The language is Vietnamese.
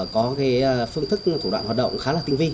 có phương thức thủ đoạn hoạt động khá là tinh vi